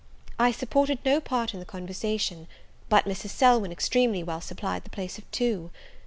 I supported no part in the conversation; but Mrs. Selwyn extremely well supplied the place of two.